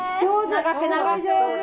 長く長く。